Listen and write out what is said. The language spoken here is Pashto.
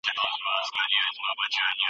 علمي مجله په اسانۍ سره نه منظوریږي.